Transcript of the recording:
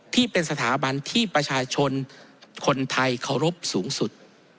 ที่เป็นสถาบันที่ประชาชนคนไทยเคารพสูงสุด